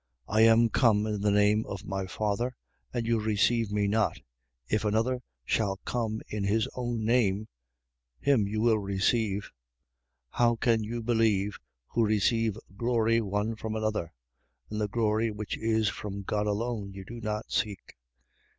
5:43. I am come in the name of my Father, and you receive me not: if another shall come in his own name, him you will receive. 5:44. How can you believe, who receive glory one from another: and the glory which is from God alone, you do not seek?